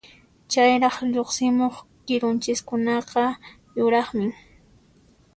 Chayraq lluqsimuq kirunchiskunaqa yuraqmi.